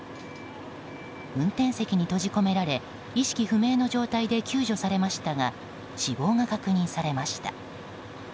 運転席に閉じ込められ意識不明の状態で救助されましたが死亡が確認されました。